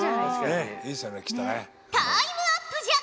タイムアップじゃ。